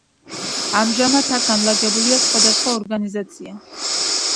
ამჟამად აქ განლაგებულია სხვადასხვა ორგანიზაცია.